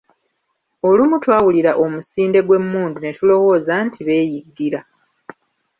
Olumu twawulira omusinde gw'emmundu ne tulowooza nti beeyiggira.